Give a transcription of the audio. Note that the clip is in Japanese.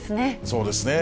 そうですね。